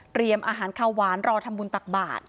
อาหารข้าวหวานรอทำบุญตักบาท